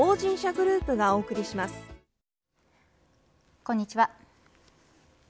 こんにちは。